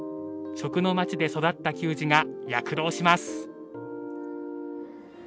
食の町で育った球児が躍動します。